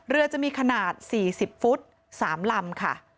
เรือจะมีขนาด๔๐ฟุต๓ลำค่ะ